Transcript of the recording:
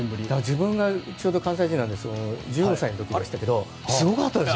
自分がちょうど関西人なので１５歳の時でしたけどすごかったですよ。